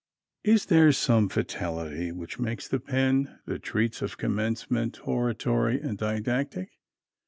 Is there some fatality which makes the pen that treats of Commencement hortatory and didactic?